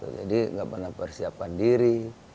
jadi tidak pernah bersiapan diri